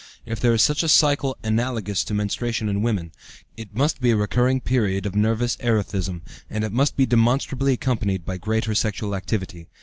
If there is such a cycle analogous to menstruation in women, it must be a recurring period of nervous erethism, and it must be demonstrably accompanied by greater sexual activity.